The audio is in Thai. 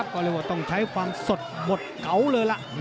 ก็เรียกว่าต้องใช้ความสดหมดเก๋าเลยล่ะ